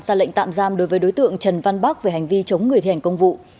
ra lệnh tạm giam đối với đối tượng trần văn bắc về hành vi chống người thi hành công vụ